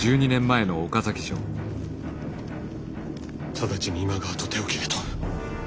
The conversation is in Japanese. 直ちに今川と手を切れと。